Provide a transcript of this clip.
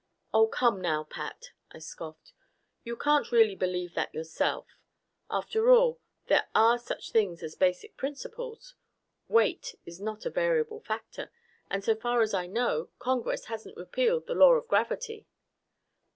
"Oh, come now, Pat!" I scoffed. "You can't really believe that yourself. After all, there are such things as basic principles. Weight is not a variable factor. And so far as I know, Congress hasn't repealed the Law of Gravity."